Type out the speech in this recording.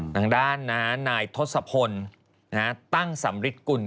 ดังด้านนะฮะนายทศพลตั้งสำริษกุล